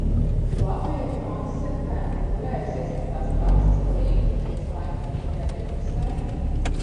Latvija ir konsekventi turējusies pie tās prakses, ka līgumi tiek slēgti tikai divpusēji.